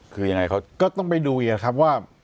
ก็ต้องไปดูอีกครับว่า